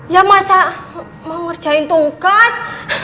ya masa mau ngerjain tugas